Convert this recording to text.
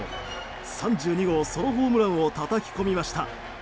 ３２号ソロホームランをたたき込みました。